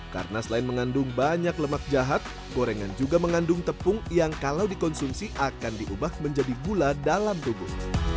karena selain mengandung banyak lemak jahat gorengan juga mengandung tepung yang kalau dikonsumsi akan diubah menjadi gula dalam tubuh